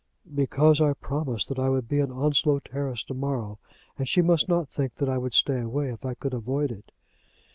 "Because I promised that I would be in Onslow Terrace to morrow, and she must not think that I would stay away if I could avoid it."